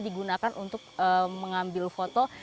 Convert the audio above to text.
digunakan untuk mengambil foto